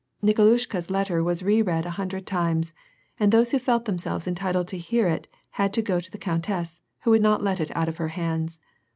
Nikolushka's letter was re read a hundred times, and those who felt themselves entitled to hear it had to go to the coun tess, who would not let it out of her hands.